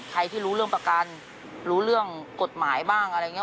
ที่รู้เรื่องประกันรู้เรื่องกฎหมายบ้างอะไรอย่างนี้